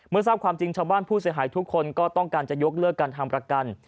ทราบความจริงชาวบ้านผู้เสียหายทุกคนก็ต้องการจะยกเลิกการทำประกัน